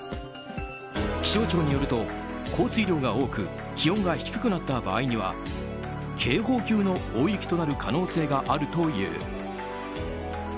気象庁によると降水量が多く気温が低くなった場合には警報級の大雪となる可能性があるという。